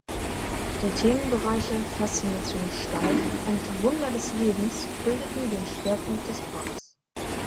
Die Themenbereiche "Faszination Stein" und "Wunder des Lebens" bildeten den Schwerpunkt des Parks.